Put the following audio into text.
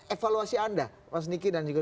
evaluasi anda mas niki dan juga